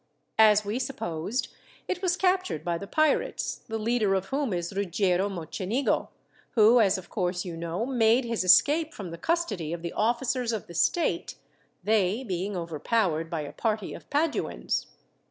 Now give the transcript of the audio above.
As we supposed, it was captured by the pirates, the leader of whom is Ruggiero Mocenigo, who, as of course you know, made his escape from the custody of the officers of the state, they being overpowered by a party of Paduans.